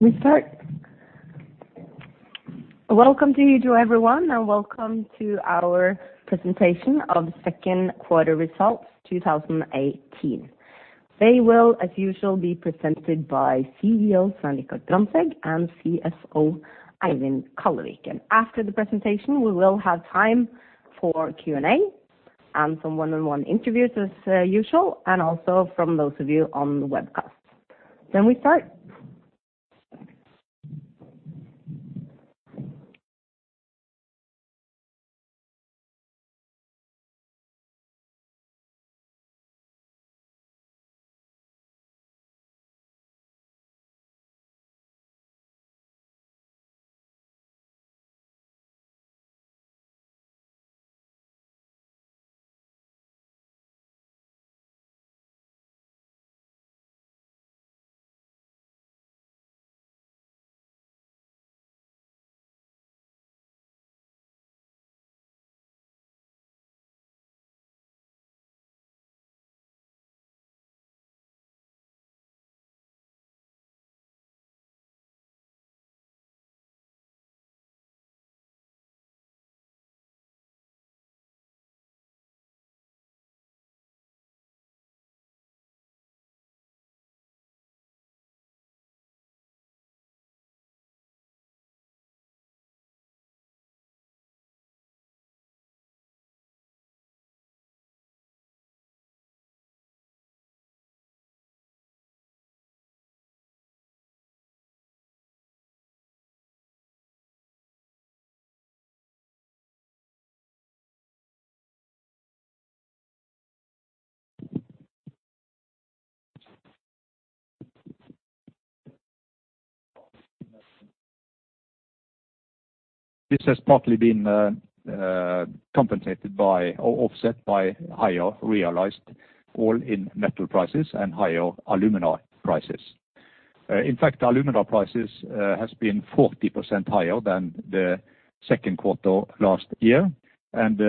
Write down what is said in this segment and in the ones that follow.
We start. Welcome to you two everyone, welcome to our presentation of 2nd quarter results 2018. They will, as usual, be presented by CEO, Svein Richard Brandtzæg, and CFO, Eivind Kallevik. After the presentation, we will have time for Q&A, and some one on one interviews as usual, and also from those of you on the webcast. We start. This has partly been compensated by or offset by higher realized all-in metal prices and higher alumina prices. In fact, the alumina prices has been 40% higher than the second quarter last year, and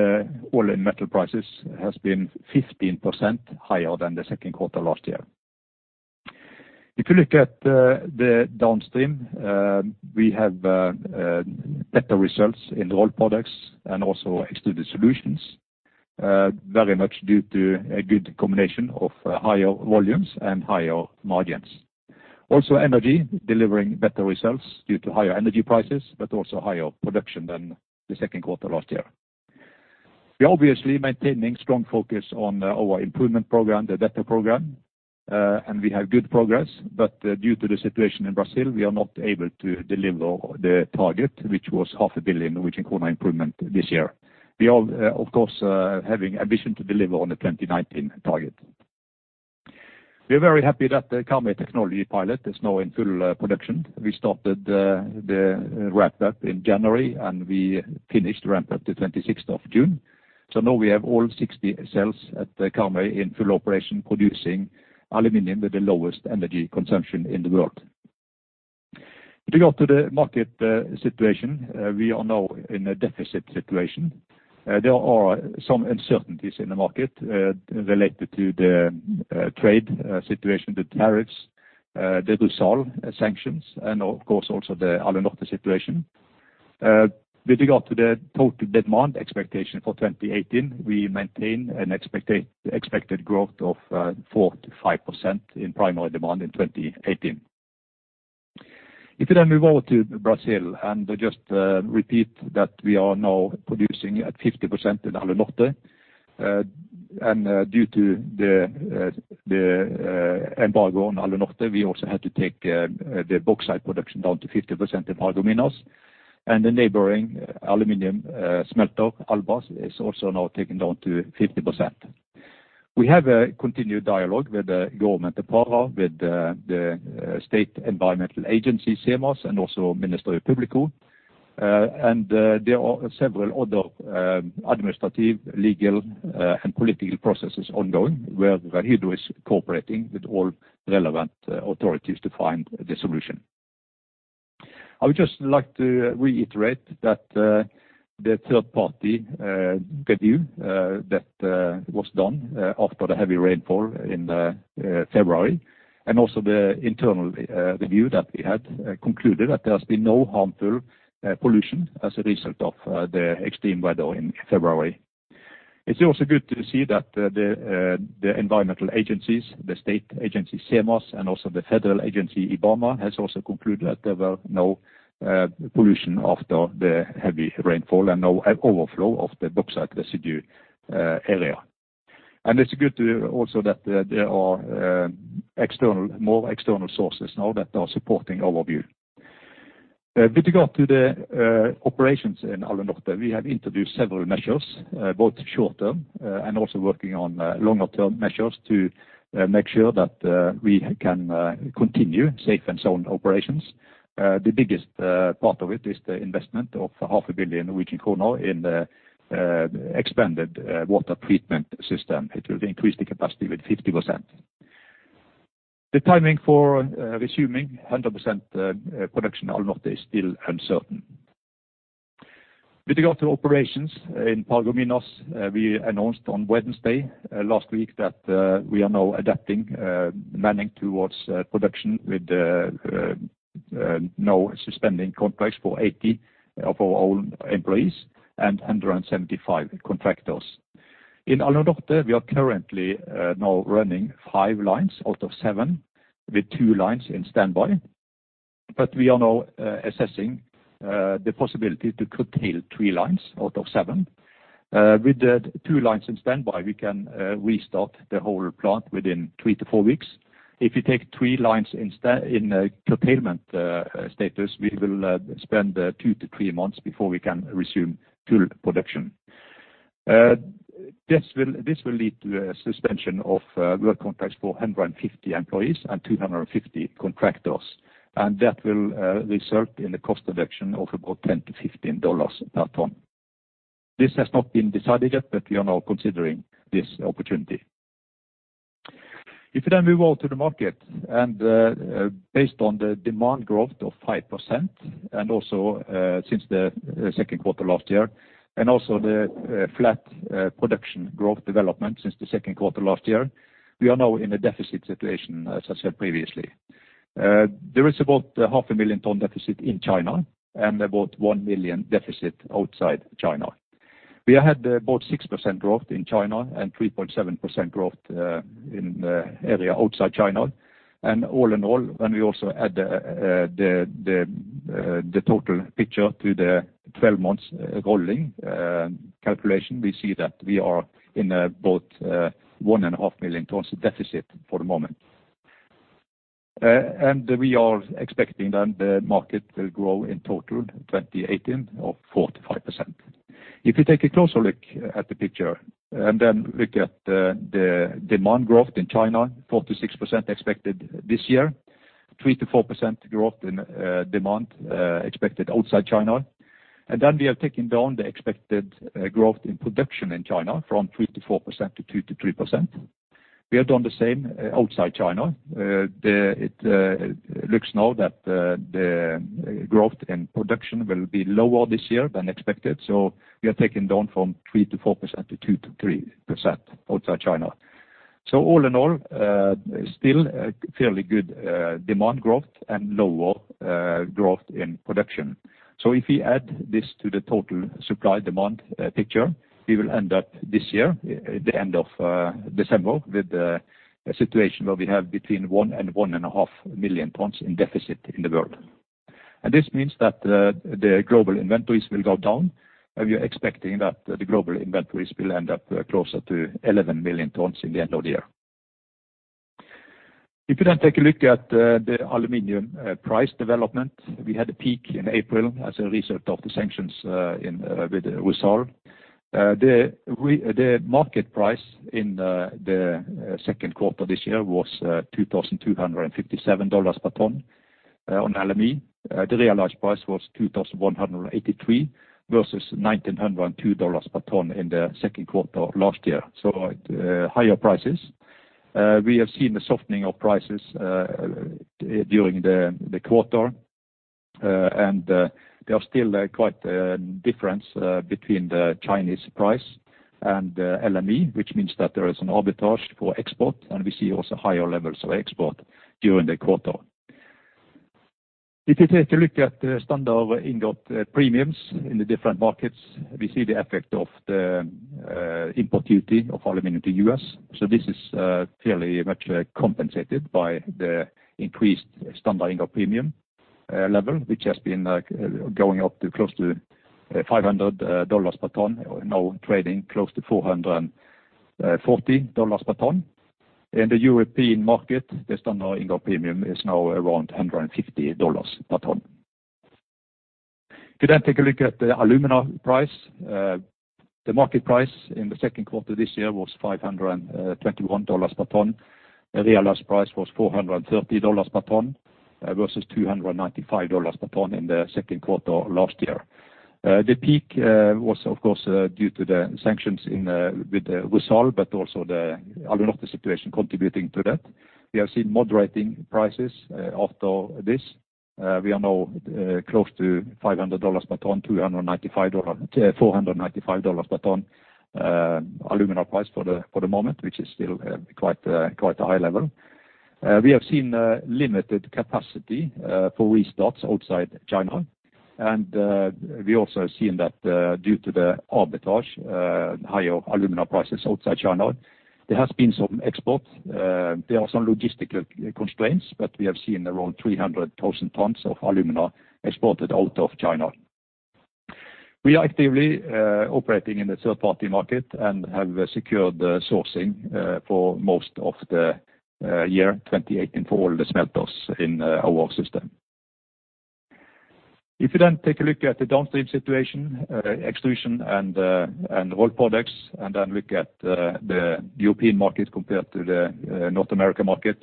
all-in metal prices has been 15% higher than the second quarter last year. If you look at the downstream, we have better results in the Rolled Products and also Extruded Solutions, very much due to a good combination of higher volumes and higher margins. Also energy delivering better results due to higher energy prices, but also higher production than the second quarter last year. We're obviously maintaining strong focus on our improvement program, the BETTER program, and we have good progress. Due to the situation in Brazil, we are not able to deliver the target, which was half a billion Norwegian krone improvement this year. We are, of course, having a vision to deliver on the 2019 target. We are very happy that the Karmøy pilot is now in full production. We started the ramp up in January, and we finished ramp up the June 26. Now we have all 60 cells at the Karmøy in full operation producing aluminum with the lowest energy consumption in the world. With regard to the market situation, we are now in a deficit situation. There are some uncertainties in the market related to the trade situation, the tariffs, the Rusal sanctions and of course, also the Alunorte situation. With regard to the total demand expectation for 2018, we maintain an expected growth of 4%-5% in primary demand in 2018. We then move over to Brazil, and I just repeat that we are now producing at 50% in Alunorte. Due to the embargo on Alunorte, we also had to take the bauxite production down to 50% in Paragominas. The neighboring aluminum smelter Albras is also now taken down to 50%. We have a continued dialogue with the government of Pará, with the state environmental agency, SEMAS, and also Ministério Público. There are several other administrative, legal, and political processes ongoing, where HEDNO is cooperating with all relevant authorities to find the solution. I would just like to reiterate that the third party review that was done after the heavy rainfall in February, and also the internal review that we had concluded that there has been no harmful pollution as a result of the extreme weather in February. It's also good to see that the environmental agencies, the state agency, SEMAS, and also the federal agency, IBAMA, has also concluded that there were no pollution after the heavy rainfall and no overflow of the bauxite residue area. It's good to also that there are external, more external sources now that are supporting our view. With regard to the operations in Alunorte, we have introduced several measures, both short-term, and also working on longer-term measures to make sure that we can continue safe and sound operations. The biggest part of it is the investment of half a billion NOK in the expanded water treatment system. It will increase the capacity with 50%. The timing for resuming 100% production Alunorte is still uncertain. With regard to operations in Paragominas, we announced on Wednesday last week that we are now adapting manning towards production with the now suspending contracts for 80 of our own employees and 175 contractors. In Alunorte, we are currently now running five lines out of seven, with two lines in standby. We are now assessing the possibility to curtail three lines out of seven. With the two lines in standby, we can restart the whole plant within 3-4 weeks. If you take three lines in curtailment status, we will spend 2-3 months before we can resume full production. This will lead to a suspension of work contracts for 150 employees and 250 contractors. That will result in a cost reduction of about $10-$15 per ton. This has not been decided yet, but we are now considering this opportunity. You move on to the market, based on the demand growth of 5%, and also since the second quarter last year, and also the flat production growth development since the second quarter last year, we are now in a deficit situation, as I said previously. There is about 500,000 ton deficit in China, and about 1 million deficit outside China. We had about 6% growth in China and 3.7% growth in the area outside China. All in all, when we also add the total picture to the 12 months rolling calculation, we see that we are in about 1.5 million tons of deficit for the moment. We are expecting that the market will grow in total 2018 of 4%-5%. If you take a closer look at the picture, then look at the demand growth in China, 4%-6% expected this year, 3%-4% growth in demand expected outside China. Then we have taken down the expected growth in production in China from 3%-4% to 2%-3%. We have done the same outside China. It looks now that the growth in production will be lower this year than expected. So we have taken down from 3%-4% to 2%-3% outside China. All in all, still a fairly good demand growth and lower growth in production. If we add this to the total supply demand, picture, we will end up this year, at the end of December, with a situation where we have between one and 1.5 million tons in deficit in the world. This means that the global inventories will go down. We are expecting that the global inventories will end up closer to 11 million tons in the end of the year. If you then take a look at the aluminum price development, we had a peak in April as a result of the sanctions in with Rusal. The market price in the second quarter this year was $2,257 per ton on LME. was $2,183 versus $1,902 per ton in the second quarter of last year. At higher prices, we have seen the softening of prices during the quarter. There is still quite a difference between the Chinese price and LME, which means that there is an arbitrage for export, and we see also higher levels of export during the quarter. If you take a look at the standard ingot premiums in the different markets, we see the effect of the import duty of aluminum to U.S. This is fairly much compensated by the increased standard ingot premium level, which has been going up to close to $500 per ton, now trading close to $440 per ton. In the European market, the standard ingot premium is now around $150 per ton. You take a look at the alumina price, the market price in the second quarter this year was $521 per ton. The realized price was $430 per ton versus $295 per ton in the second quarter of last year. The peak was of course due to the sanctions in with Rusal, but also the Alunorte situation contributing to that. We have seen moderating prices after this. We are now close to $500 per ton, $495 per ton alumina price for the moment, which is still quite a high level. We have seen limited capacity for restarts outside China. We also have seen that due to the arbitrage, higher alumina prices outside China, there has been some export. There are some logistical constraints, but we have seen around 300,000 tons of alumina exported out of China. We are actively operating in the third-party market and have secured the sourcing for most of the 2018 for all the smelters in our system. You take a look at the downstream situation, Extrusion and Rolled Products, and look at the European market compared to the North American market,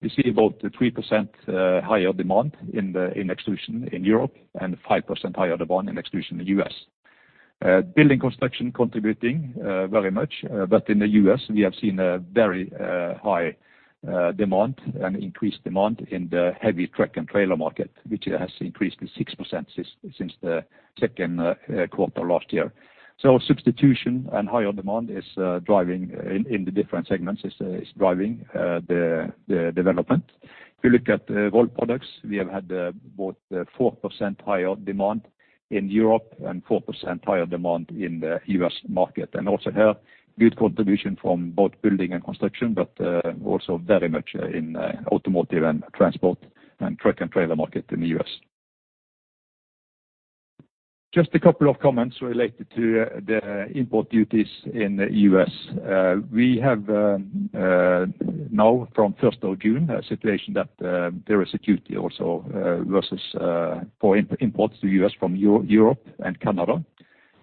you see about a 3% higher demand in Extrusion in Europe, and 5% higher demand in Extrusion in U.S. Building construction contributing very much. In the U.S. we have seen a very high demand, an increased demand in the heavy truck and trailer market, which has increased to 6% since the second quarter last year. Substitution and higher demand is driving in the different segments, is driving the development. You look at Rolled Products, we have had about 4% higher demand in Europe and 4% higher demand in the U.S. market. Also here, good contribution from both building and construction, but also very much in automotive and transport and truck and trailer market in the U.S. Just a couple of comments related to the import duties in the U.S. We have now from first of June, a situation that there is a duty also versus for imports to U.S. from Europe and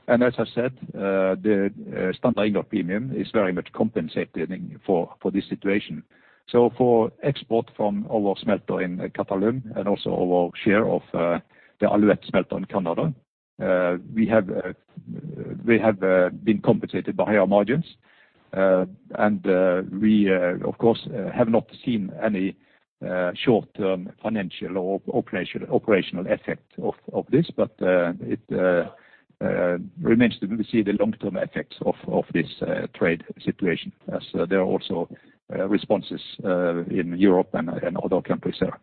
Canada. As I said, the standard premium is very much compensated for this situation. So for export from our smelter in Qatalum and also our share of the Alouette smelter in Canada, we have been compensated by higher margins. And we of course, have not seen any short-term financial or operational effect of this. It remains to be see the long-term effects of this trade situation as there are also responses in Europe and other countries there.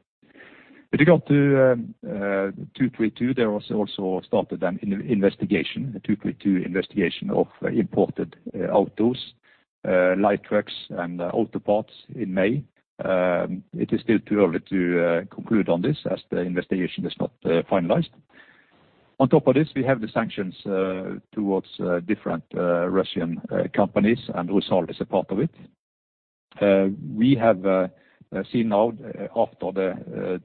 With regard to 232, there was also started an investigation, a 232 investigation of imported autos, light trucks, and auto parts in May. It is still too early to conclude on this as the investigation is not finalized. On top of this, we have the sanctions towards different Russian companies, and Rusal is a part of it. We have seen now after the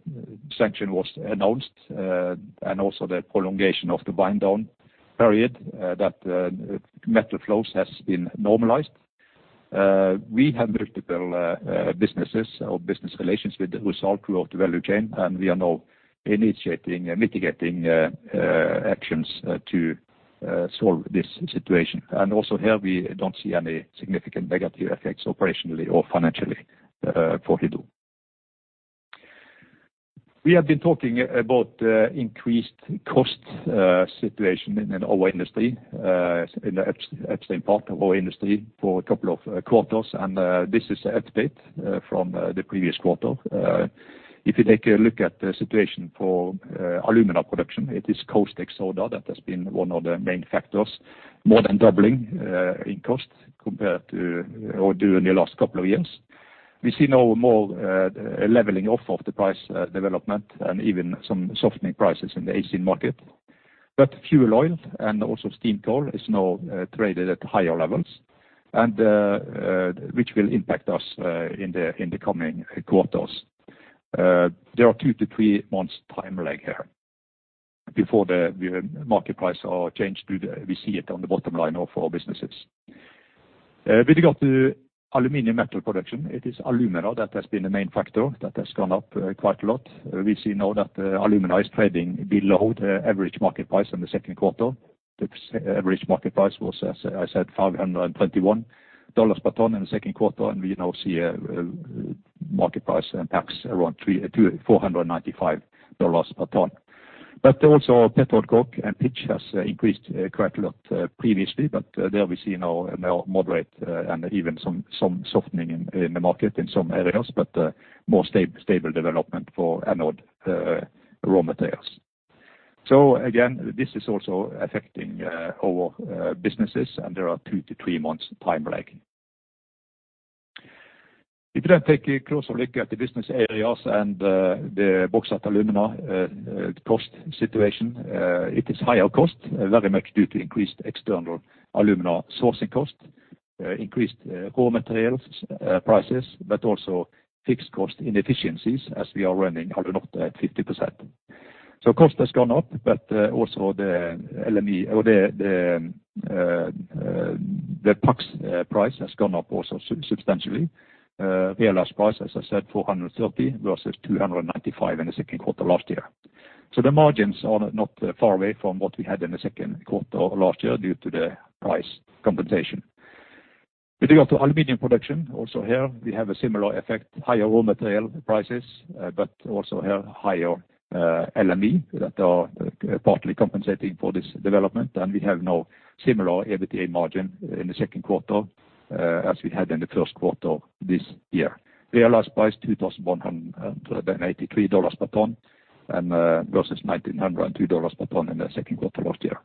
sanction was announced, and also the prolongation of the wind down period, that metal flows has been normalized. We have multiple businesses or business relations with Rusal throughout the value chain, and we are now initiating and mitigating actions to solve this situation. Also here, we don't see any significant negative effects operationally or financially for Hydro. We have been talking about increased cost situation in our industry, in the upstream part of our industry for a couple of quarters. This is update from the previous quarter. If you take a look at the situation for alumina production, it is caustic soda that has been one of the main factors, more than doubling in cost compared to, or during the last couple of years. We see now more leveling off of the price development and even some softening prices in the Asian market. Fuel oil and also steam coal is now traded at higher levels, and which will impact us in the coming quarters. There are 2-3 months time lag here before the market price are changed to the we see it on the bottom line of our businesses. With regard to aluminium metal production, it is alumina that has been the main factor that has gone up quite a lot. We see now that the alumina is trading below the average market price in the second quarter. The average market price was, as I said, $521 per ton in the second quarter, and we now see a market price and tax around $495 per ton. Also petroleum coke and pitch has increased quite a lot previously. There we see now a now moderate, and even some softening in the market in some areas, but more stable development for anode raw materials. Again, this is also affecting our businesses, and there are 2-3 months time lag. If you take a closer look at the business areas and the bauxite alumina cost situation, it is higher cost very much due to increased external alumina sourcing cost, increased raw materials prices, but also fixed cost inefficiencies as we are running Alunorte at 50%. Cost has gone up, but also the LME or the tax price has gone up also substantially. Realized price, as I said, $430 versus $295 in the second quarter last year. The margins are not far away from what we had in the second quarter of last year due to the price compensation. With regard to aluminium production, also here we have a similar effect, higher raw material prices, but also have higher LME that are partly compensating for this development. We have now similar EBITDA margin in the second quarter as we had in the first quarter this year. Realized price $2,183 per ton versus $1,902 per ton in the second quarter last year.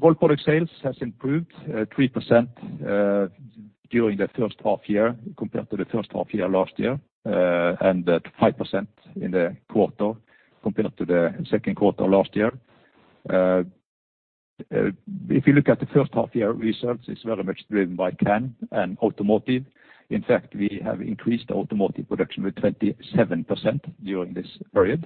Rolled product sales has improved 3% during the first half year compared to the first half year last year, and at 5% in the quarter compared to the second quarter last year. If you look at the first half year results, it's very much driven by can and automotive. In fact, we have increased automotive production with 27% during this period.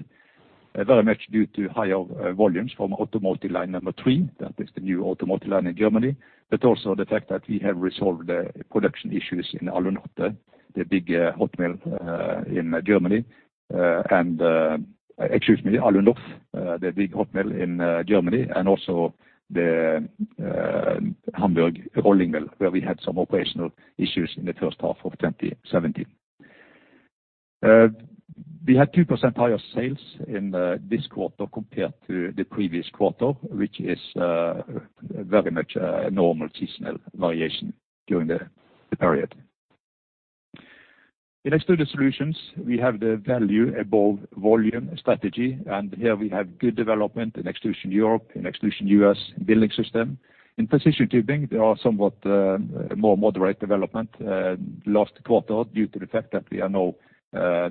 Very much due to higher volumes from Automotive Line 3, that is the new automotive line in Germany. Also the fact that we have resolved production issues in Alunorf, the big hot mill in Germany, and also the Hamburg rolling mill, where we had some operational issues in the first half of 2017. We had 2% higher sales in this quarter compared to the previous quarter, which is very much a normal seasonal variation during the period. In Extruded Solutions, we have the value above volume strategy. Here we have good development in Extrusion Europe, in Extrusion U.S. Building Systems. In Precision Tubing, there are somewhat more moderate development last quarter due to the fact that we are now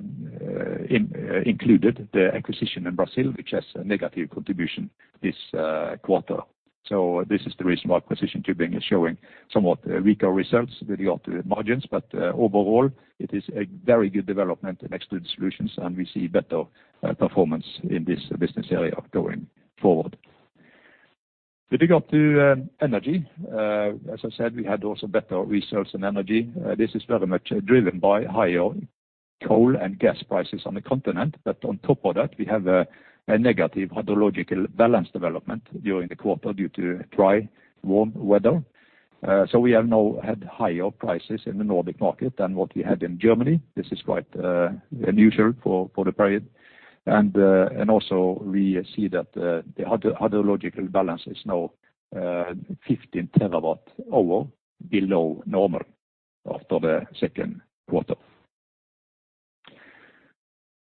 included the acquisition in Brazil, which has a negative contribution this quarter. This is the reason why Precision Tubing is showing somewhat weaker results with regard to margins. Overall, it is a very good development in Extruded Solutions, and we see better performance in this business area going forward. If you go up to Energy, as I said, we had also better results in Energy. This is very much driven by higher coal and gas prices on the continent. On top of that, we have a negative hydrological balance development during the quarter due to dry, warm weather. We have now had higher prices in the Nordic market than what we had in Germany. This is quite unusual for the period. Also we see that the hydrological balance is now 15 TWh below normal after the second quarter.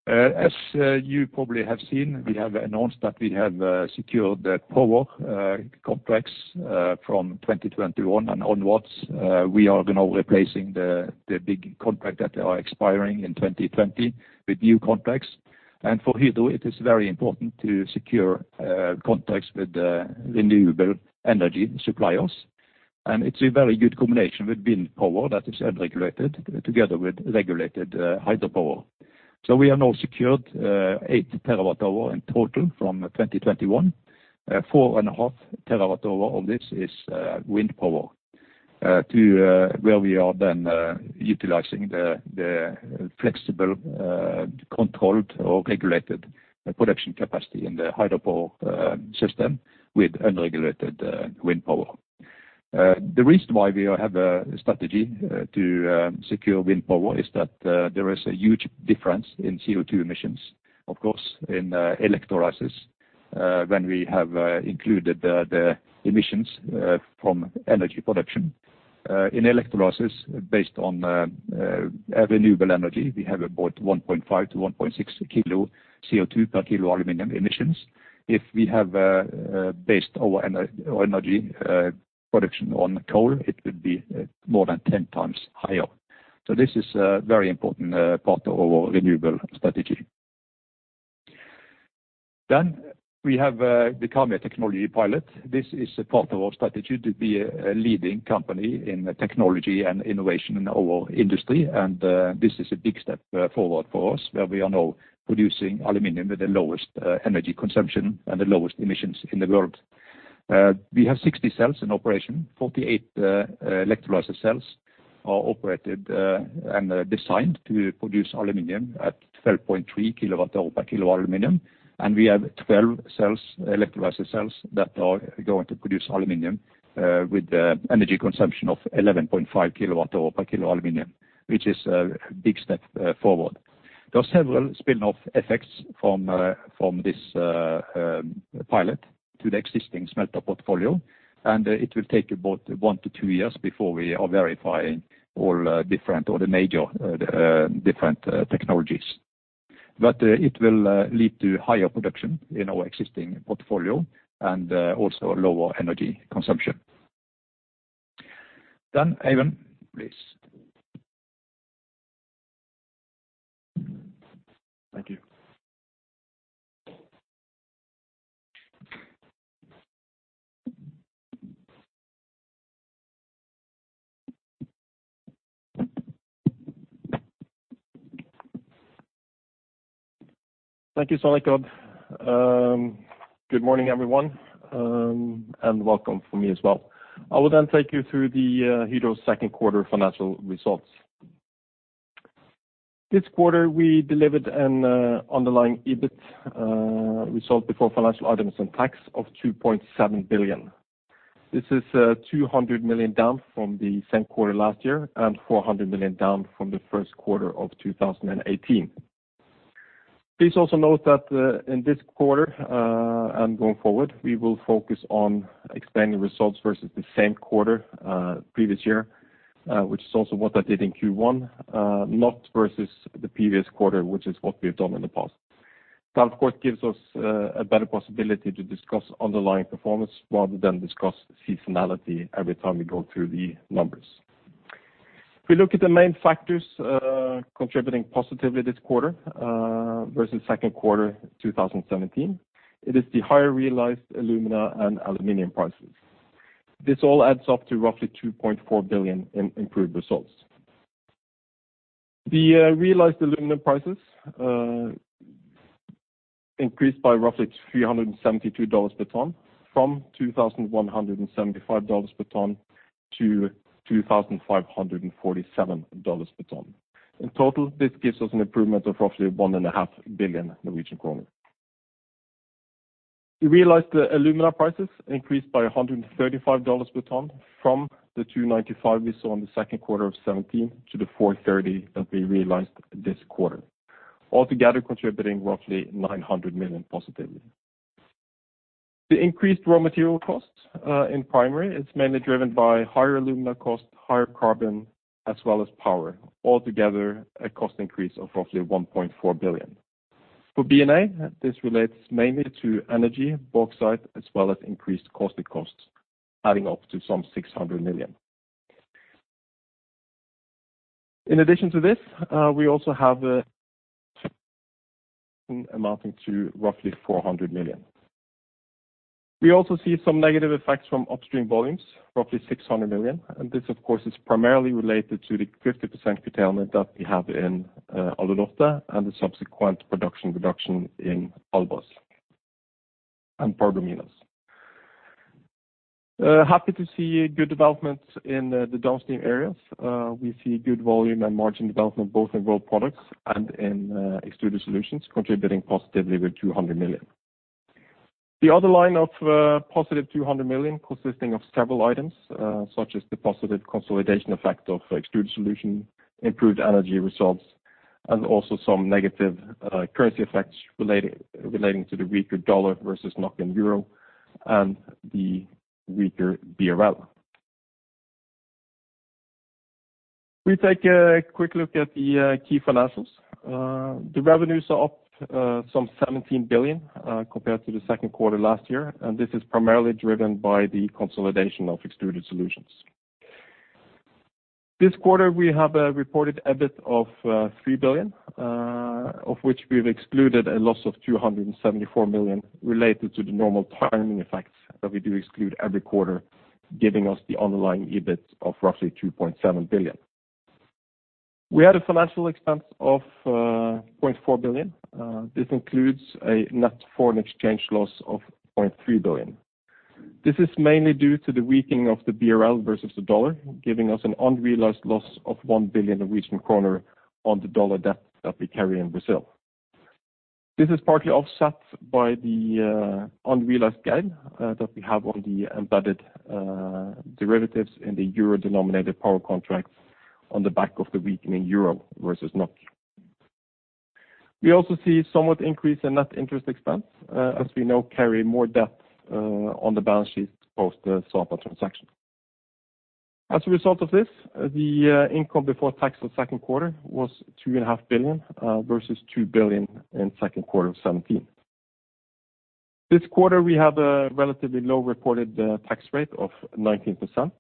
As you probably have seen, we have announced that we have secured the power contracts from 2021 and onwards. We are now replacing the big contract that are expiring in 2020 with new contracts. For Hydro, it is very important to secure contracts with renewable energy suppliers. It's a very good combination with wind power that is unregulated together with regulated hydropower. We have now secured 8 TWh in total from 2021. 4.5 TWh of this is wind power to where we are then utilizing the flexible controlled or regulated production capacity in the hydropower system with unregulated wind power. The reason why we have a strategy to secure wind power is that there is a huge difference in CO2 emissions, of course, in electrolysis when we have included the emissions from energy production. In electrolysis based on renewable energy, we have about 1.5-1.6 kilo CO2 per kilo aluminum emissions. If we have based our energy production on coal, it would be more than 10 times higher. This is a very important part of our renewable strategy. We have the Karmøy technology pilot. This is a part of our strategy to be a leading company in technology and innovation in our industry. This is a big step forward for us, where we are now producing aluminum with the lowest energy consumption and the lowest emissions in the world. We have 60 cells in operation. 48 electrolysis cells are operated, and they're designed to produce aluminum at 12.3 kWh per kilo aluminum. We have 12 cells, electrolysis cells, that are going to produce aluminum with the energy consumption of 11.5 kWh per kilo aluminum, which is a big step forward. There are several spin-off effects from this pilot to the existing smelter portfolio, and it will take about 1-2 years before we are verifying all different or the major different technologies. It will lead to higher production in our existing portfolio and also lower energy consumption. Eivind, please. Thank you. Thank you, Svein. Good morning, everyone, and welcome from me as well. I will take you through the Hydro's second quarter financial results. This quarter we delivered an underlying EBIT result before financial items and tax of 2.7 billion. This is 200 million down from the same quarter last year and 400 million down from the first quarter of 2018. Please also note that in this quarter, and going forward, we will focus on explaining results versus the same quarter previous year, which is also what I did in Q1, not versus the previous quarter, which is what we have done in the past. Of course, gives us a better possibility to discuss underlying performance rather than discuss seasonality every time we go through the numbers. If we look at the main factors contributing positively this quarter versus second quarter 2017, it is the higher realized alumina and aluminium prices. This all adds up to roughly 2.4 billion in improved results. The realized alumina prices increased by roughly $372 per ton from $2,175 per ton to $2,547 per ton. In total, this gives us an improvement of roughly one and a half billion Norwegian kroner. We realized the alumina prices increased by $135 per ton from the $295 we saw in the second quarter 2017 to the $430 that we realized this quarter, altogether contributing roughly 900 million positively. The increased raw material costs in Primary Metal, it's mainly driven by higher alumina costs, higher carbon, as well as power, altogether a cost increase of roughly 1.4 billion. For BNA, this relates mainly to energy, bauxite, as well as increased caustic costs adding up to some 600 million. In addition to this, we also have, amounting to roughly 400 million. We also see some negative effects from upstream volumes, roughly 600 million, and this, of course, is primarily related to the 50% curtailment that we have in Alunorte and the subsequent production reduction in Albras and Paragominas. Happy to see good developments in the downstream areas. We see good volume and margin development both in Rolled Products and in Extruded Solutions, contributing positively with 200 million. The other line of positive 200 million consisting of several items, such as the positive consolidation effect of Extruded Solutions, improved energy results, and also some negative currency effects relating to the weaker dollar versus NOK and EUR and the weaker BRL. We take a quick look at the key financials. The revenues are up some 17 billion compared to the second quarter last year, and this is primarily driven by the consolidation of Extruded Solutions. This quarter, we have a reported EBIT of 3 billion, of which we've excluded a loss of 274 million related to the normal timing effects that we do exclude every quarter, giving us the underlying EBIT of roughly 2.7 billion. We had a financial expense of 0.4 billion. This includes a net foreign exchange loss of 0.3 billion. This is mainly due to the weakening of the BRL versus the USD, giving us an unrealized loss of 1 billion on the USD debt that we carry in Brazil. This is partly offset by the unrealized gain that we have on the embedded derivatives in the EUR-denominated power contracts on the back of the weakening EUR versus NOK. We also see somewhat increase in net interest expense as we now carry more debt on the balance sheet post the Sapa transaction. Result of this, the income before tax for the second quarter was 2.5 billion versus 2 billion in second quarter of 2017. This quarter, we have a relatively low reported tax rate of 19%.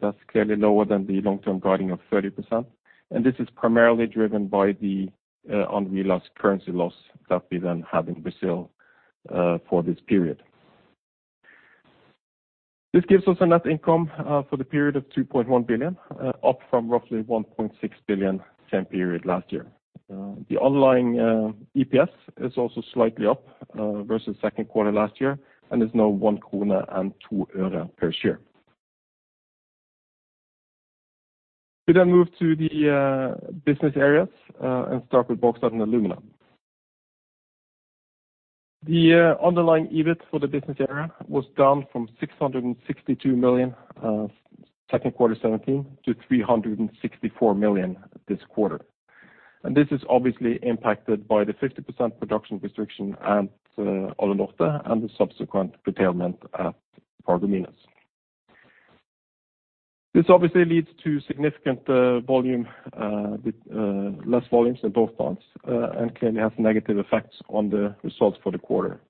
That's clearly lower than the long-term guiding of 30%, this is primarily driven by the unrealized currency loss that we then have in Brazil for this period. This gives us a net income for the period of 2.1 billion, up from roughly 1.6 billion same period last year. The underlying EPS is also slightly up versus second quarter last year and is now NOK 1.02 per share. We move to the business areas and start with Bauxite & Alumina. The underlying EBIT for the business area was down from 662 million 2Q 2017 to 364 million this quarter. This is obviously impacted by the 50% production restriction at Alunorte and the subsequent curtailment at Paragominas. This obviously leads to significant volume with less volumes in both plants, and clearly has negative effects on the results for the quarter,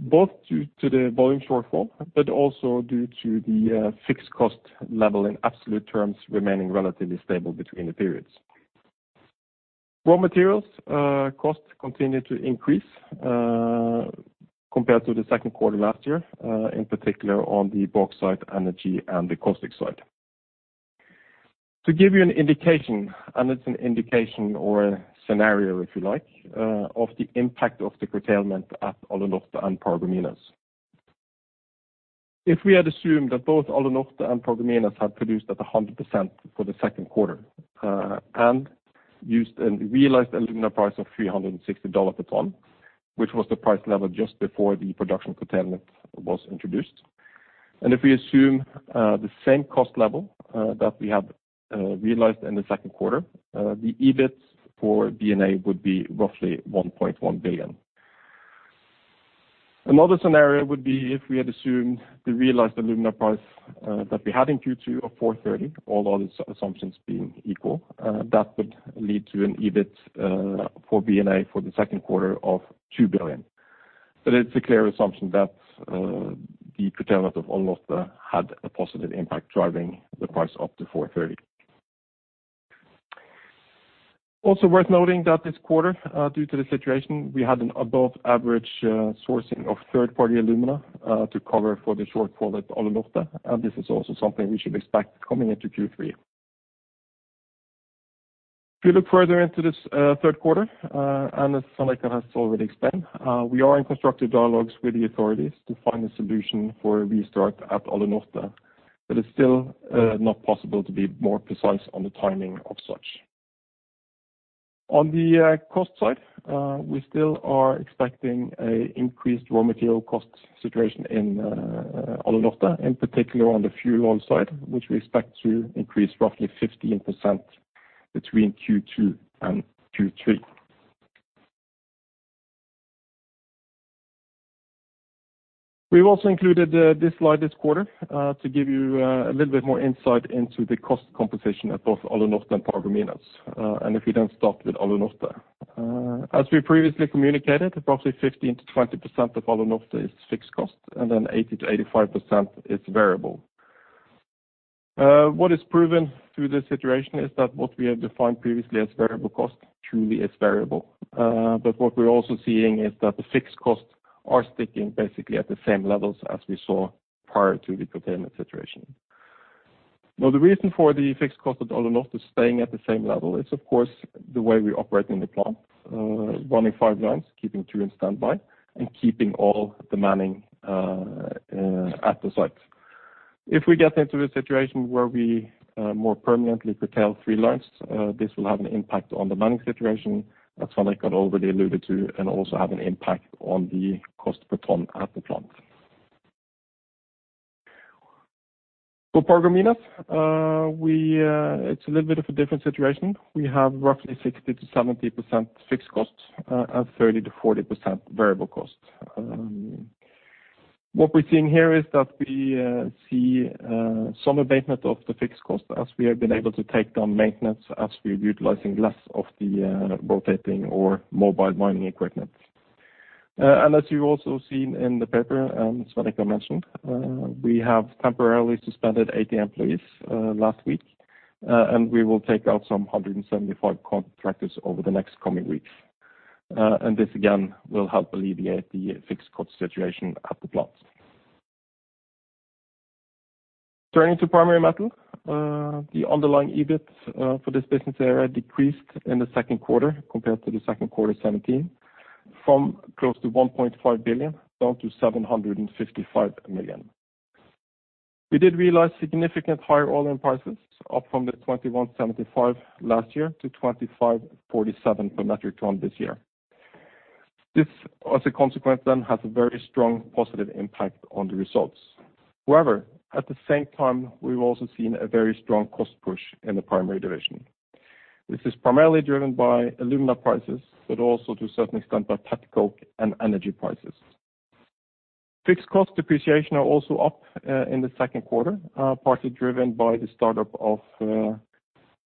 both due to the volume shortfall, but also due to the fixed cost level in absolute terms remaining relatively stable between the periods. Raw materials costs continue to increase compared to the second quarter last year, in particular on the bauxite, energy, and the caustic side. To give you an indication, and it's an indication or a scenario, if you like, of the impact of the curtailment at Alunorte and Paragominas. If we had assumed that both Alunorte and Paragominas had produced at 100% for the second quarter, and used a realized alumina price of $360 a ton, which was the price level just before the production curtailment was introduced, and if we assume, the same cost level, that we have, realized in the second quarter, the EBIT for BNA would be roughly 1.1 billion. Another scenario would be if we had assumed the realized alumina price, that we had in Q2 of $430, all other as-assumptions being equal, that would lead to an EBIT, for BNA for the second quarter of 2 billion. It's a clear assumption that the curtailment of Alunorte had a positive impact driving the price up to $430. Also worth noting that this quarter, due to the situation, we had an above average sourcing of third-party alumina to cover for the shortfall at Alunorte, and this is also something we should expect coming into Q3. If you look further into this, third quarter, and as Svein has already explained, we are in constructive dialogues with the authorities to find a solution for a restart at Alunorte, but it's still not possible to be more precise on the timing of such. On the cost side, we still are expecting an increased raw material cost situation in Alunorte, in particular on the fuel oil side, which we expect to increase roughly 15% between Q2 and Q3. We've also included this slide this quarter to give you a little bit more insight into the cost composition at both Alunorte and Paragominas. If we then start with Alunorte. As we previously communicated, approximately 15%-20% of Alunorte is fixed cost. 80%-85% is variable. What is proven through this situation is that what we have defined previously as variable cost truly is variable. What we're also seeing is that the fixed costs are sticking basically at the same levels as we saw prior to the curtailment situation. Now, the reason for the fixed cost at Alunorte staying at the same level is, of course, the way we're operating the plant, running five lines, keeping two in standby, and keeping all the manning at the site. If we get into a situation where we, more permanently curtail 3 lines, this will have an impact on the manning situation, as Sannikka already alluded to, and also have an impact on the cost per ton at the plant. For Paragominas, we, it's a little bit of a different situation. We have roughly 60%-70% fixed costs, and 30%-40% variable costs. What we're seeing here is that we see some abatement of the fixed costs as we have been able to take down maintenance as we're utilizing less of the rotating or mobile mining equipment. As you've also seen in the paper, and Sannikka mentioned, we have temporarily suspended 80 employees last week, and we will take out some 175 contractors over the next coming weeks. This again will help alleviate the fixed cost situation at the plant. Turning to Primary Metal, the underlying EBIT for this business area decreased in the second quarter compared to the second quarter 2017 from close to $1.5 billion down to $755 million. We did realize significant higher aluminum prices, up from $2,175 last year to $2,547 per metric ton this year. This, as a consequence then, has a very strong positive impact on the results. However, at the same time, we've also seen a very strong cost push in the Primary Metal division. This is primarily driven by alumina prices, but also to a certain extent by pet coke and energy prices. Fixed cost depreciation are also up in the second quarter, partly driven by the startup of the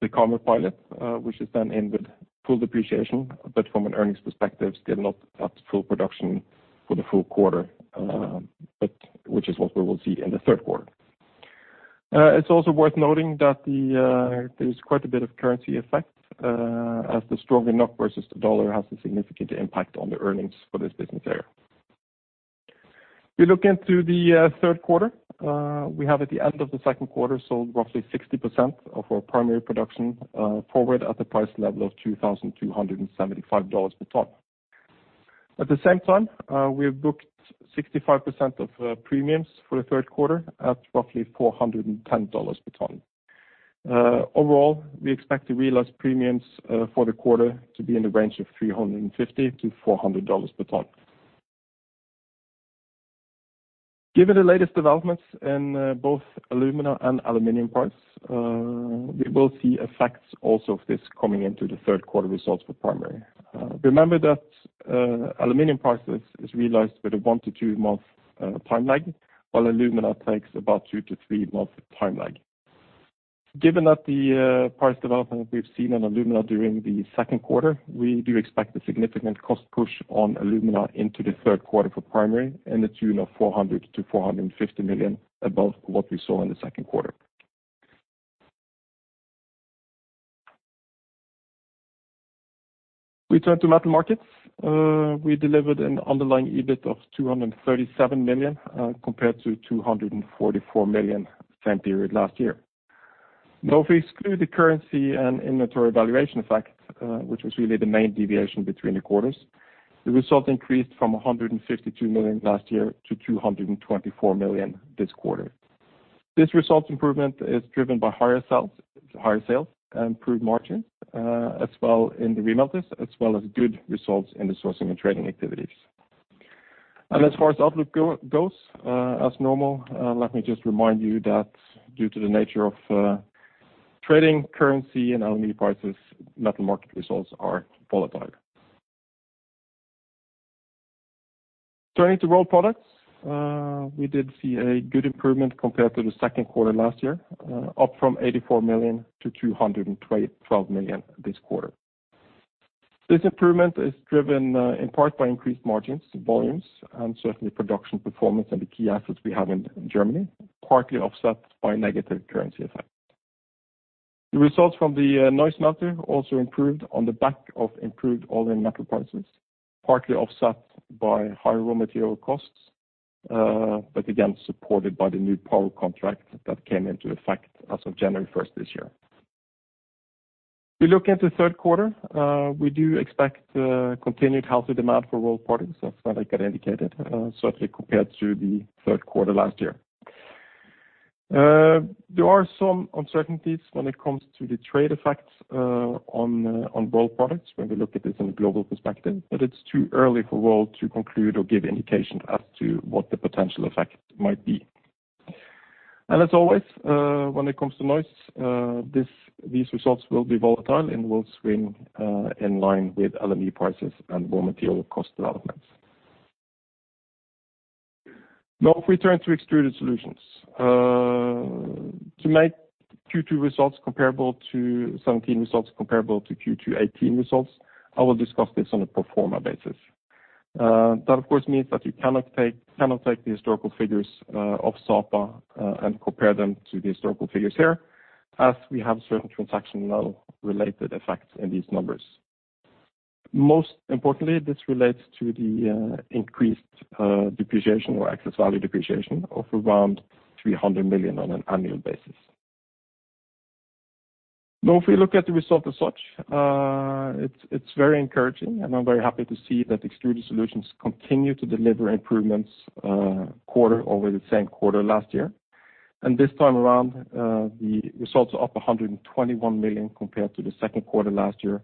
Karmøy pilot, which is then in with full depreciation, but from an earnings perspective, still not at full production for the full quarter, but which is what we will see in the third quarter. It's also worth noting that there's quite a bit of currency effect as the stronger NOK versus the dollar has a significant impact on the earnings for this business area. If you look into the third quarter, we have at the end of the second quarter sold roughly 60% of our Primary production forward at the price level of $2,275 per ton. At the same time, we have booked 65% of premiums for the third quarter at roughly $410 per ton. Overall, we expect to realize premiums for the quarter to be in the range of $350-$400 per ton. Given the latest developments in both alumina and aluminum price, we will see effects also of this coming into the third quarter results for Primary. Remember that aluminum prices is realized with a one to two-month time lag, while alumina takes about two to three months time lag. Given that the price development we've seen on alumina during the second quarter, we do expect a significant cost push on alumina into the third quarter for Primary in the tune of $400 million-$450 million above what we saw in the second quarter. We turn to Metal Markets. We delivered an underlying EBIT of $237 million compared to $244 million same period last year. If we exclude the currency and inventory valuation effect, which was really the main deviation between the quarters, the result increased from $152 million last year to $224 million this quarter. This result improvement is driven by higher sales and improved margins, as well in the remelters, as well as good results in the sourcing and trading activities. As far as outlook goes, as normal, let me just remind you that due to the nature of trading currency and aluminum prices, Metal Markets results are volatile. Turning to Rolled Products, we did see a good improvement compared to the second quarter last year, up from 84 million to 212 million this quarter. This improvement is driven in part by increased margins, volumes, and certainly production performance in the key assets we have in Germany, partly offset by negative currency effect. The results from the Alunorf melter also improved on the back of improved all-in metal prices, partly offset by higher raw material costs, but again supported by the new power contract that came into effect as of January 1st this year. We look into third quarter, we do expect continued healthy demand for Rolled Products, as Svein indicated, certainly compared to the third quarter last year. There are some uncertainties when it comes to the trade effects on Rolled Products when we look at this in a global perspective, but it's too early for world to conclude or give indication as to what the potential effect might be. As always, when it comes to noise, these results will be volatile, and will swing in line with LME prices and raw material cost developments. Now, if we turn to Extruded Solutions. To make Q2 results comparable to 2017 results comparable to Q2 2018 results, I will discuss this on a pro forma basis. That of course means that you cannot take the historical figures of Sapa and compare them to the historical figures here, as we have certain transactional related effects in these numbers. Most importantly, this relates to the increased depreciation or access value depreciation of around 300 million on an annual basis. If we look at the result as such, it's very encouraging, and I'm very happy to see that Extruded Solutions continue to deliver improvements quarter over the same quarter last year. This time around, the results are up 121 million compared to the second quarter last year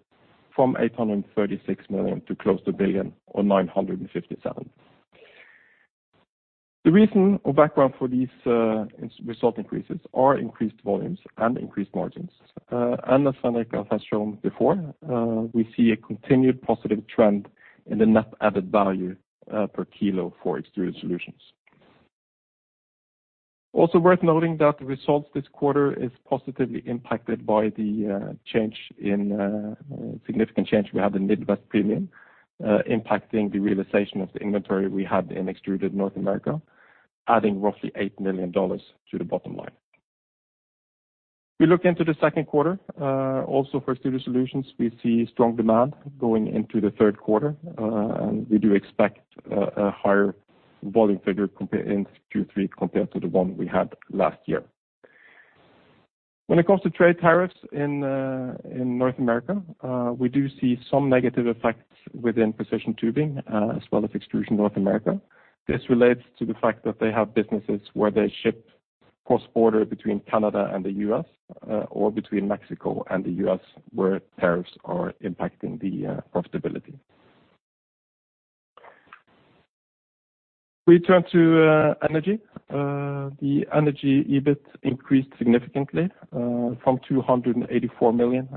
from 836 million to close to 1 billion or 957 million. The reason or background for these result increases are increased volumes and increased margins. As Svein has shown before, we see a continued positive trend in the net added value per kilo for Extruded Solutions. Also worth noting that the results this quarter is positively impacted by the change in significant change we have in Midwest premium, impacting the realization of the inventory we had in Extrusion North America, adding roughly $8 million to the bottom line. We look into the second quarter, also for Extruded Solutions, we see strong demand going into the third quarter, and we do expect a higher volume figure in Q3 compared to the one we had last year. When it comes to trade tariffs in North America, we do see some negative effects within Precision Tubing, as well as Extrusion North America. This relates to the fact that they have businesses where they ship cross-border between Canada and the U.S., or between Mexico and the U.S., where tariffs are impacting the profitability. We turn to energy. The energy EBIT increased significantly from 284 million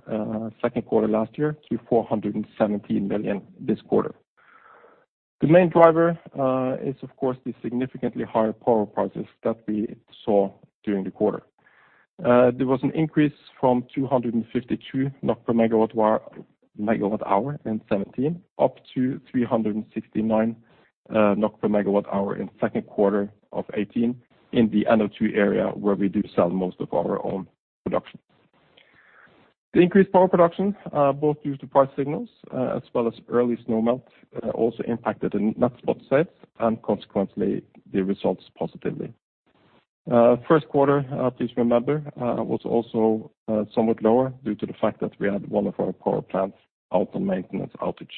second quarter last year to 417 million this quarter. The main driver is of course the significantly higher power prices that we saw during the quarter. There was an increase from 252 NOK per megawatt hour in 2017, up to 369 NOK per megawatt hour in second quarter of 2018 in the NO2 area where we do sell most of our own production. The increased power production, both due to price signals, as well as early snow melt, also impacted the net spot sales and consequently the results positively. First quarter, please remember, was also somewhat lower due to the fact that we had one of our power plants out on maintenance outage.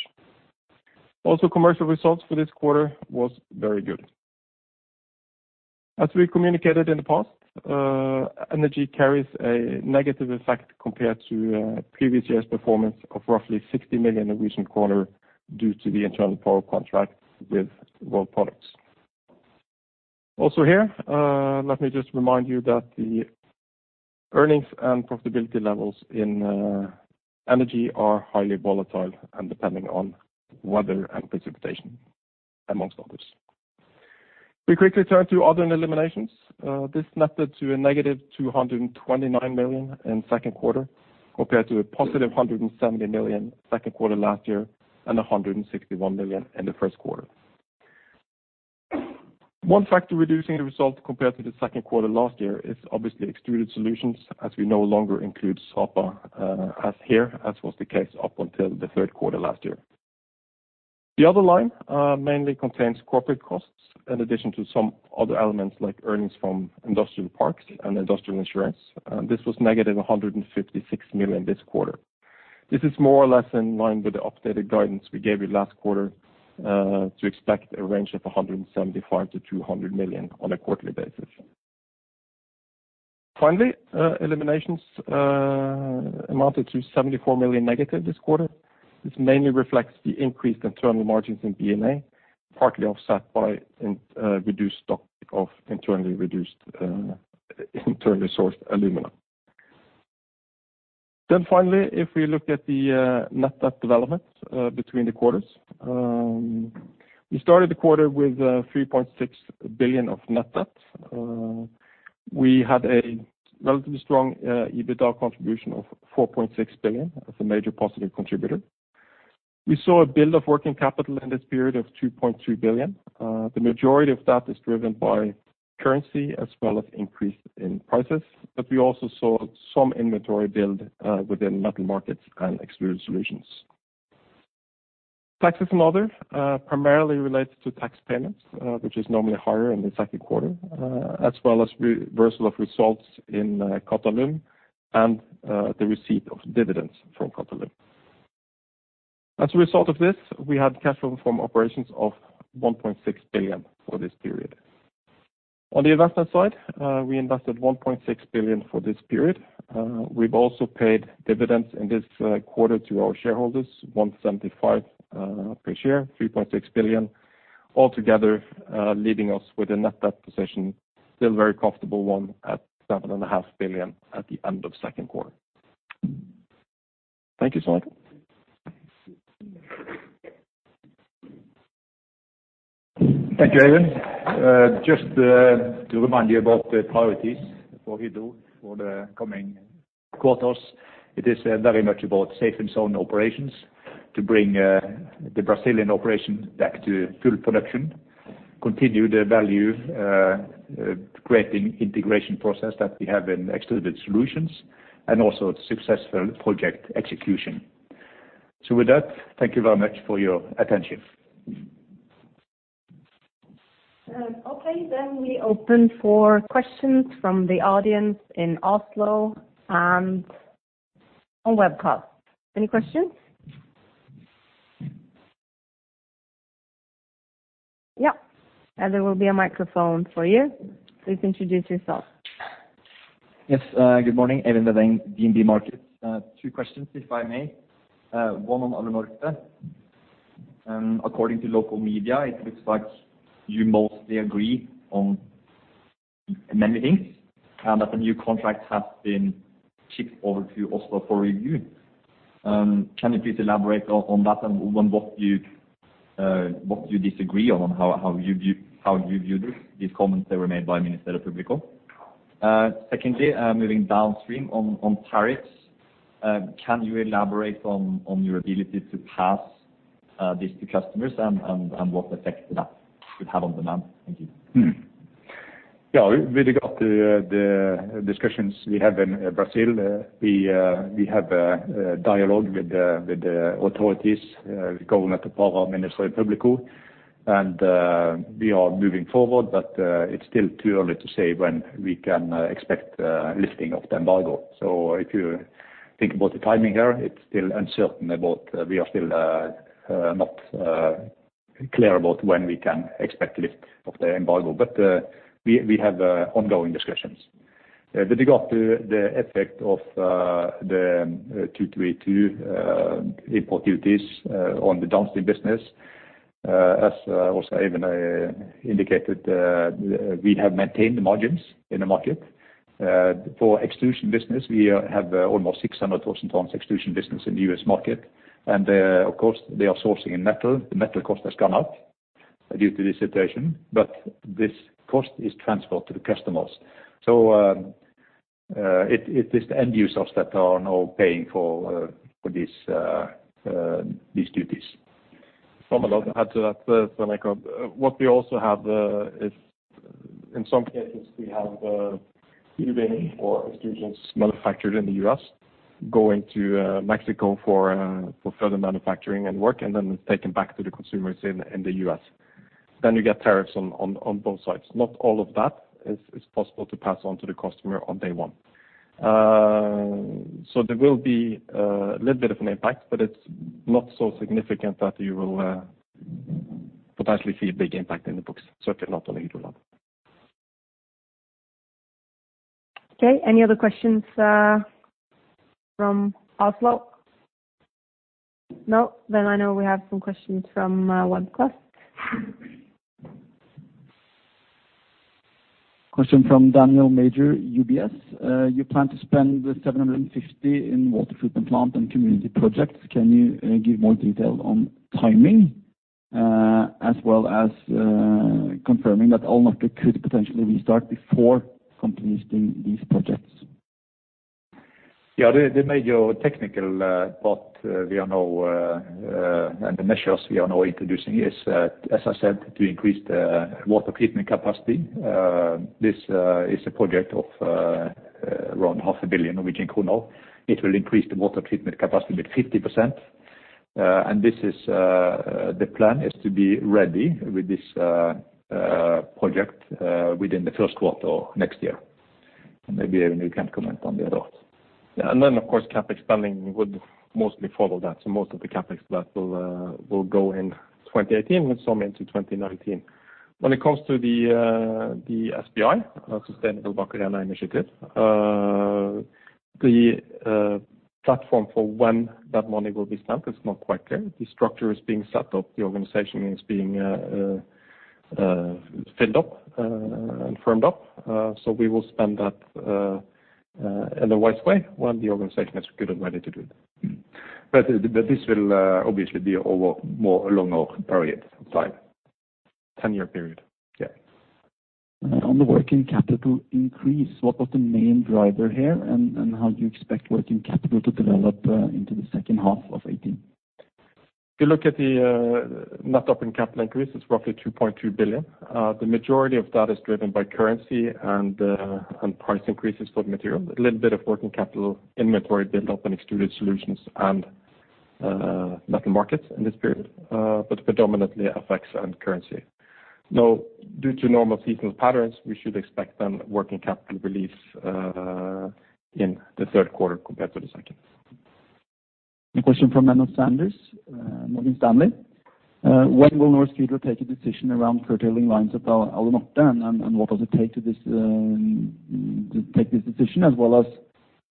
Also, commercial results for this quarter was very good. As we communicated in the past, energy carries a negative effect compared to previous year's performance of roughly 60 million due to the internal power contract with Rolled Products. Also here, let me just remind you that the earnings and profitability levels in energy are highly volatile and depending on weather and precipitation, amongst others. We quickly turn to other eliminations. This netted to a negative 229 million in 2Q, compared to a positive 170 million 2Q last year and 161 million in 1Q. One factor reducing the result compared to 2Q last year is obviously Extruded Solutions, as we no longer include Sapa, as here, as was the case up until 3Q last year. The other line mainly contains corporate costs, in addition to some other elements like earnings from industrial parks and industrial insurance. This was negative 156 million this quarter. This is more or less in line with the updated guidance we gave you last quarter, to expect a range of 175 million-200 million on a quarterly basis. Finally, eliminations amounted to 74 million negative this quarter. This mainly reflects the increased internal margins in Bauxite & Alumina, partly offset by reduced stock of internally reduced internally sourced alumina. Finally, if we look at the net debt development between the quarters, we started the quarter with 3.6 billion of net debt. We had a relatively strong EBITDA contribution of 4.6 billion as a major positive contributor. We saw a build of working capital in this period of 2.3 billion. The majority of that is driven by currency as well as increase in prices. We also saw some inventory build within Metal Markets and Extruded Solutions. Taxes and other primarily relates to tax payments, which is normally higher in the second quarter, as well as reversal of results in Qatalum and the receipt of dividends from Qatalum. As a result of this, we had cash flow from operations of 1.6 billion for this period. On the investment side, we invested 1.6 billion for this period. We've also paid dividends in this quarter to our shareholders, 1.75 per share, 3.6 billion altogether, leaving us with a net debt position, still very comfortable one, at 7.5 billion at the end of second quarter. Thank you, Svein. Thank you, Eivind. Just to remind you about the priorities for Hydro for the coming quarters, it is very much about safe and sound operations to bring the Brazilian operation back to full production, continue the value creating integration process that we have in Extruded Solutions and also successful project execution. With that, thank you very much for your attention. Okay, we open for questions from the audience in Oslo and on webcast. Any questions? Yeah. There will be a microphone for you. Please introduce yourself. Yes, good morning. Even Vedaa, DNB Markets. Two questions, if I may. One on Alunorte. According to local media, it looks like you mostly agree on many things, and that the new contract has been shipped over to Oslo for review. Can you please elaborate on that and on what you disagree on, how you view this, these comments that were made by Ministério Público? Secondly, moving downstream on tariffs, can you elaborate on your ability to pass this to customers and what effect that could have on demand? Thank you. Yeah. With regard to the discussions we have in Brazil, we have a dialogue with the authorities, governor, Ministério Público, and we are moving forward, it's still too early to say when we can expect lifting of the embargo. If you think about the timing here, we are still not clear about when we can expect lift of the embargo. We have ongoing discussions. With regard to the effect of the 232 import duties on the downstream business, as also Even indicated, we have maintained the margins in the market. ions, we have almost 600,000 tons extrusion business in the U.S. market, and of course, they are sourcing in metal. The metal cost has gone up due to this situation, but this cost is transferred to the customers. So, it is the end users that are now paying for these duties If I may also add to that, Svein. What we also have is, in some cases, we have tubing or extrusions manufactured in the U.S. going to Mexico for further manufacturing and work and then taken back to the consumers in the U.S. You get tariffs on both sides. Not all of that is possible to pass on to the customer on day one. There will be a little bit of an impact, but it's not so significant that you will potentially see a big impact in the books. If you're not only to look. Okay. Any other questions from Oslo? No. I know we have some questions from webcast. Question from Daniel Major, UBS. You plan to spend the $750 in water treatment plant and community projects. Can you give more detail on timing, as well as confirming that Alunorte could potentially restart before completing these projects? Yeah. The major technical part we are now. The measures we are now introducing is that, as I said, to increase the water treatment capacity. This is a project of around half a billion NOK. It will increase the water treatment capacity with 50%. This is the plan is to be ready with this project within the first quarter next year. Maybe, Even, you can comment on the other. Yeah. Of course, CapEx spending would mostly follow that. Most of the CapEx that will go in 2018 and some into 2019. When it comes to the SBI, Sustainable Bauxite Initiative, the platform for when that money will be spent is not quite clear. The structure is being set up. The organization is being. filled up and firmed up. We will spend that in a wise way when the organization is good and ready to do that. This will obviously be over more longer period of time. 10-year period. Yeah. On the working capital increase, what was the main driver here, and how do you expect working capital to develop into the second half of 2018? If you look at the net operating capital increase, it's roughly $2.2 billion. The majority of that is driven by currency and price increases for material. A little bit of working capital inventory build-up and Extruded Solutions and Metal Markets in this period. Predominantly affects on currency. Due to normal seasonal patterns, we should expect then working capital release in the third quarter compared to the second. A question from Menno Sanderse, Morgan Stanley. When will Norsk Hydro take a decision around curtailing lines at Alunorte, and what does it take to this, to take this decision? As well as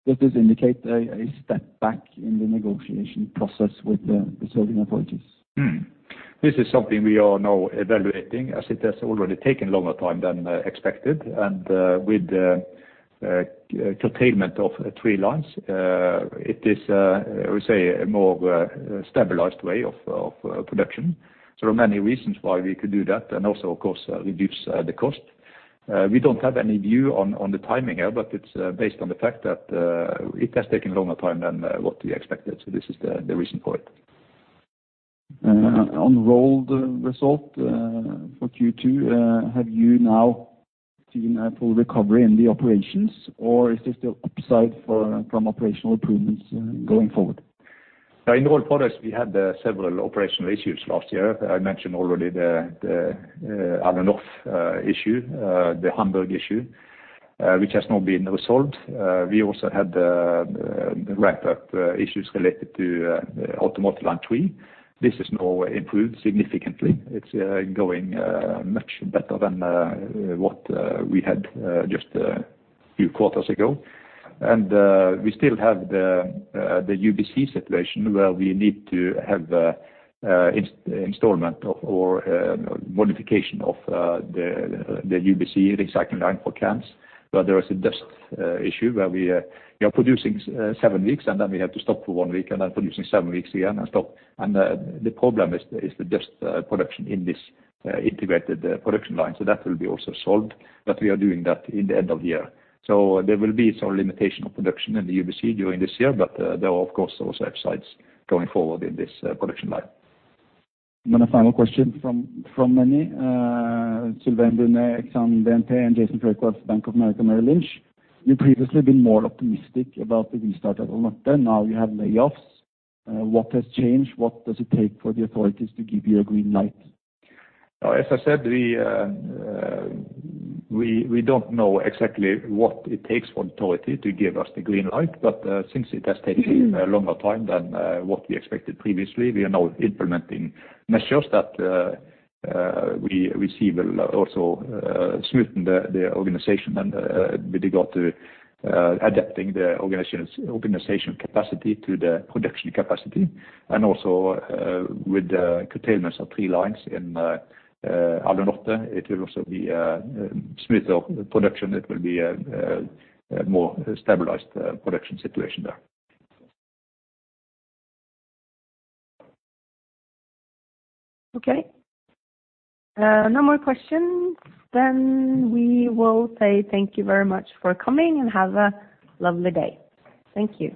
does this indicate a step back in the negotiation process with the Brazilian authorities? This is something we are now evaluating, as it has already taken longer time than expected. With the curtailment of three lines, it is, I would say, a more stabilized way of production. There are many reasons why we could do that, and also of course reduces the cost. We don't have any view on the timing here, but it's based on the fact that it has taken longer time than what we expected. This is the reason for it. On Rolled result for Q2, have you now seen a full recovery in the operations? Or is there still upside for some operational improvements going forward? In Rolled Products we had several operational issues last year. I mentioned already the Alunorte issue, the Hamburg issue, which has now been resolved. We also had the wrap-up issues related to Automotive Line 3. This has now improved significantly. It's going much better than what we had just a few quarters ago. We still have the UBC situation, where we need to have installment of or modification of the UBC recycling line for cans, where there is a dust issue, where we are producing seven weeks, and then we have to stop for one week, and then producing seven weeks again and stop. The problem is the dust production in this integrated production line, that will be also solved. We are doing that in the end of the year. There will be some limitation of production in the UBC during this year, but there are of course also upsides going forward in this production line. A final question from Manny, Sylvain Brunet, Exane BNP, and Jason Fairclough with Bank of America Merrill Lynch. You've previously been more optimistic about the restart at Alunorte. Now you have layoffs. What has changed? What does it take for the authorities to give you a green light? As I said, we don't know exactly what it takes for authority to give us the green light. Since it has taken a longer time than what we expected previously, we are now implementing measures that we see will also smoothen the organization and with regard to adapting the organization's capacity to the production capacity. Also, with the curtailments of three lines in Alunorte, it will also be smoother production. It will be a more stabilized production situation there. Okay. No more questions. We will say thank you very much for coming, and have a lovely day. Thank you.